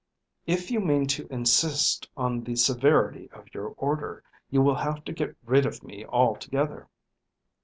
If you mean to insist on the severity of your order, you will have to get rid of me altogether.